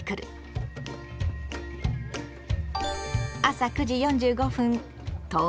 朝９時４５分到着。